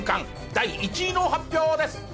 第１位の発表です。